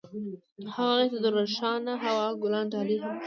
هغه هغې ته د روښانه هوا ګلان ډالۍ هم کړل.